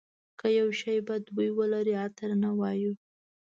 که یو شی بد بوی ولري عطر نه وایو.